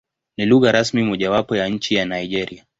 Ni lugha rasmi mojawapo ya nchi ya Nigeria.